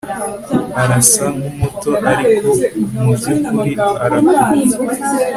Arasa nkumuto ariko mubyukuri arakuruta